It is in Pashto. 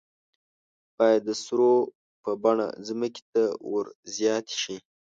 باید د سرو په بڼه ځمکې ته ور زیاتې شي.